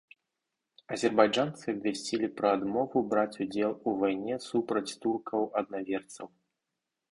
Азербайджанцы абвясцілі пра адмову браць удзел у вайне супраць туркаў-аднаверцаў.